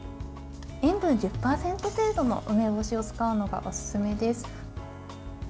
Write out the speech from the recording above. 塩分１０％程度の梅干しを使うのがおすすめです。